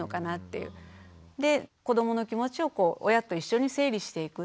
で子どもの気持ちを親と一緒に整理していく。